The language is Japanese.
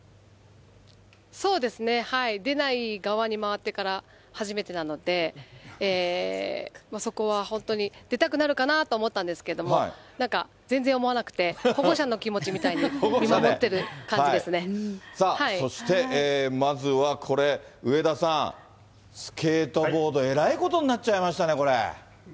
そうですね、出ない側に回ってから初めてなので、そこは本当に、出たくなるかなと思ったんですけど、なんか全然思わなくて、保護者の気持ちみたいに、さあ、そしてまずはこれ、上田さん、スケートボード、えらいことになっちゃいましたね、これ。